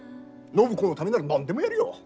暢子のためなら何でもやるよ！